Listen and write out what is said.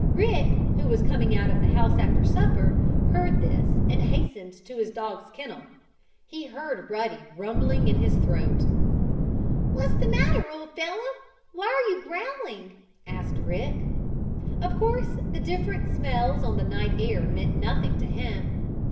Rick, who was coming out of the house after supper, heard this, and hastened to his dog's kennel. He heard Ruddy rumbling in his throat. "What's the matter, old fellow? Why are you growling?" asked Rick. Of course the different smells on the night air meant nothing to him.